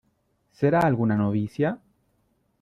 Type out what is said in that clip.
¿ será alguna novicia ?